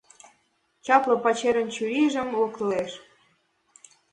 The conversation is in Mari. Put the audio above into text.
Чапле пачерын чурийжым локтылеш.